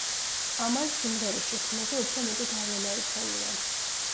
ამან სიმღერის შექმნაზე უფრო მეტი გავლენა იქონია.